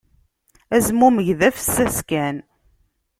Azmumeg d afessas kan.